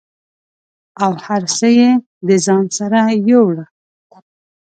او هر څه یې د ځان سره یووړه